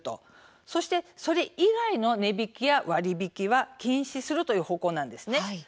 そしてそれ以外の値引きや割引は禁止するという方向です。